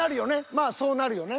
まあそうなるよね。